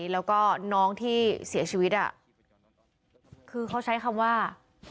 แล้วก็น้องที่เสียชีวิตคือเขาใช้คำว่า